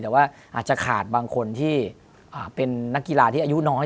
แต่ว่าอาจจะขาดบางคนที่เป็นนักกีฬาที่อายุน้อย